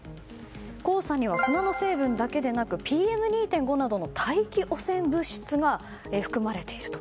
黄砂には砂の成分だけでなくＰＭ２．５などの大気汚染物質が含まれていると。